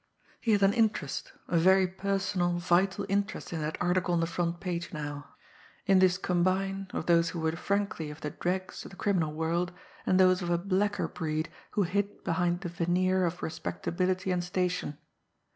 He had an interest, a very personal, vital interest in that article on the front page now, in this combine of those who were frankly of the dregs of the criminal world and those of a blacker breed who hid behind the veneer of respectability and station.